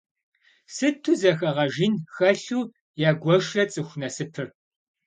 Сыту зэхэгъэж ин хэлъу ягуэшрэ цӏыху насыпыр.